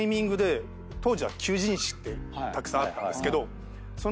当時は求人誌ってたくさんあったんですけどその中に。